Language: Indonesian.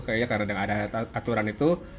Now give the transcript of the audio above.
kayaknya karena dengan ada aturan itu